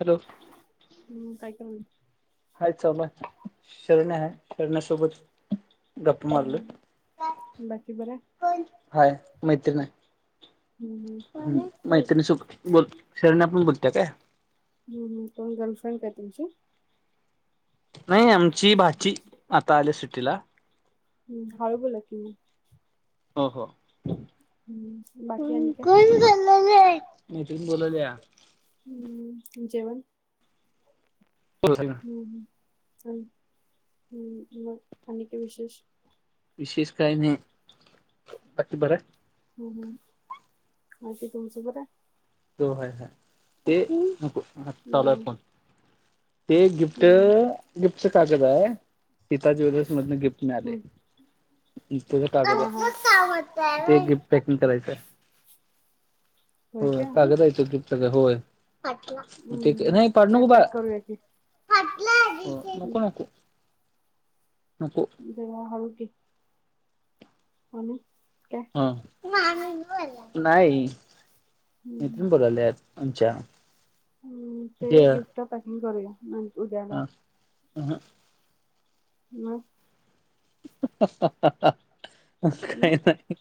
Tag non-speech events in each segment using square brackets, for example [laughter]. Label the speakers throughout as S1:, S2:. S1: Hello
S2: हम्म काय करायली
S1: हाय ल शरण्या ह शरण्यासोबत गप्प
S2: म्हणता
S1: मारलं
S2: बाकी बरं आहे?
S1: हाय मैत्री
S2: हम्म हम्म
S1: नाही मैत क सुख बोल शरना पण बोलत काय
S2: तुमचे
S1: नाही आमची भाची आता आल्या सुट्टी तिला ला
S2: हम्म हळू बोला की मग
S1: हो हो.
S2: हम्म बाकी आणि काय?
S1: [inaudible] [inaudible]
S2: हम्म जेवण? हम्म हम्म. [unintelligible] हम्म मग आणि काय विशेष?
S1: विशेष काही नाही बाकी बरंय?
S2: हम्म हम्म बाकी तुमचं बरं आहे?
S1: तो हाय हाय ते नको. [unintelligible] चालू आहे
S2: हम्म
S1: फोन. ते गिफ्ट
S2: हम्म
S1: गिफ्टच कागद आहे सीता ज्वेलर्समधनं गिफ्ट मिळालंय,
S2: हम्म
S1: अ त्याचं कागद
S2: हा
S1: आहे
S2: हा
S1: [unintelligible] ते गिफ्ट पॅकिंग करायचं.
S2: होय [unintelligible]
S1: चालू [unintelligible] सगळं होय. [unintelligible]
S2: हम्म
S1: नाही पाडू
S2: ते
S1: नको बाळ
S2: पॅक करूया की
S1: [unintelligible] नको नको. नको
S2: देवा हळू की. आणि? काय?
S1: हां [unintelligible] नाही.
S2: हम्म हम्म
S1: इथून बघाल्यात अच्छा.
S2: हम्म ते गिफ्ट पॅकिंग [inaudible] [unintelligible] उद्याला.
S1: [inaudible]
S2: मग?
S1: [inaudible]
S2: हम्म
S1: काही नाही.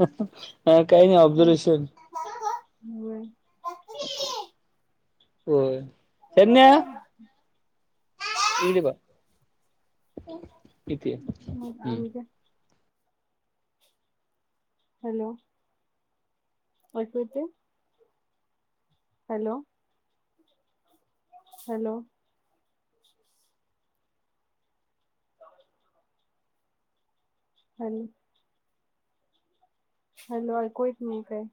S1: नाही काही नाही
S2: मग
S1: ऑब्झर्वेशन [unintelligible] होय. [unintelligible] इकडं ये बाळ. [inaudible] ये
S2: मग
S1: हम्म.
S2: आणि काय? हॅलो? ऐकू येतंय? हॅलो? हॅलो? [inaudible] आणि- हॅलो! ऐकू येत नई काही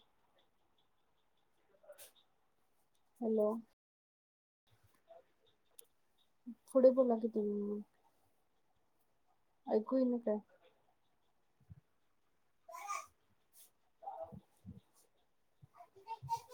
S2: हॅलो? पुढे बोला की, तुम्ही आईकू येईना काय? [unintelligible] ह [inaudible]